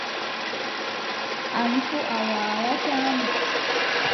An fuu a waawataa mo.